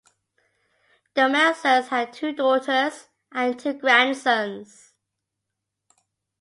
The Meltzers had two daughters and two grandsons.